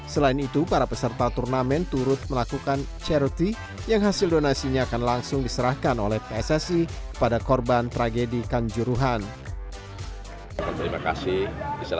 selain itu para peserta turnamen turut melakukan one minute silent sebelum bertanding untuk mendoakan para korban serta memakai pita lengan hitam